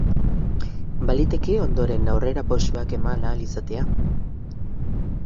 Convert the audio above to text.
Baliteke ondoren aurrerapausoak eman ahal izatea.